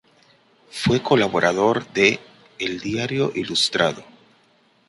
Fue colaborador de ""El Diario Ilustrado"".